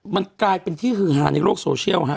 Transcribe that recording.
มันกลายเป็นที่ฮือฮาในโลกโซเชียลฮะ